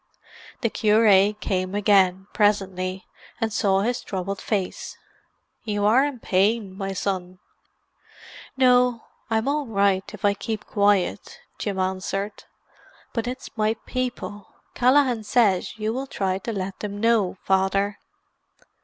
The cure came again, presently, and saw his troubled face. "You are in pain, my son?" "No—I'm all right if I keep quiet," Jim answered. "But it's my people. Callaghan says you will try to let them know, Father."